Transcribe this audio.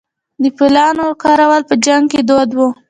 د فیلانو کارول په جنګ کې دود و